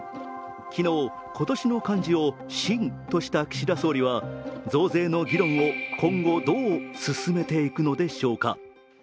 昨日、今年の漢字を「進」とした岸田総理は増税の議論を、今後どう進めていくのでしょうか。